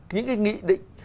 những cái nghị định